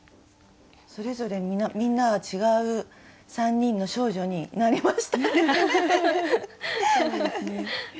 それぞれみんなが違う３人の少女になりましたね。